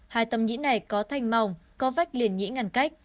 hai tầm nhĩ này có thanh mỏng có vách liền nhĩ ngăn cách